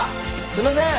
すみません！